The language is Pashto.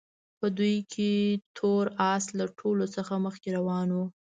په دوی کې تور اس له ټولو څخه مخکې روان وو.